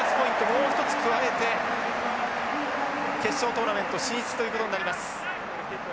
もう一つ加えて決勝トーナメント進出ということになります。